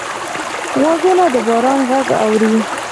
غوږونه د باران غږ اوري